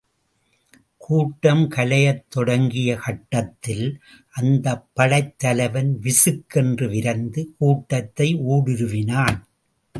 கூட்டம் கலையத் தொடங்கிய கட்டத்தில், அந்தப் படைத் தலைவன் விசுக்கென்று விரைந்து கூட்டத்தை ஊடுருவினான்.